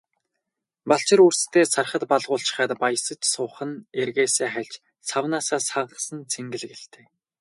Балчир үрстээ сархад балгуулчхаад баясаж суух нь эргээсээ хальж, савнаасаа сагасан цэнгэл гэлтэй.